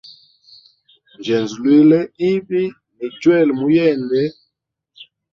Njenzulwile ibi ni chwele muyende.